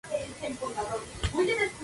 Riqueza paisajística, fauna y flora.